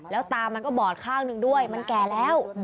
แล้วตามันก็บอดข้างหนึ่งด้วยมันแก่แล้ว